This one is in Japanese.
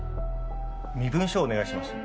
身分証お願いします。